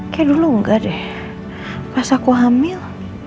kayak dulu enggak deh pas aku hamil